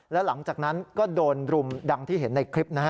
แล้วหลังจากนั้นก็โดนรุมดังที่เห็นในคลิปนะฮะ